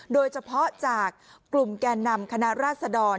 โดยเฉพาะจากกลุ่มแก่นำคณะราชดร